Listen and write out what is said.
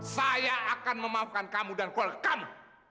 saya akan memahamkan kamu dan keluarga kamu